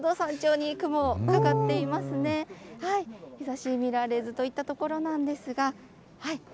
日ざし見られずといったところなんですが。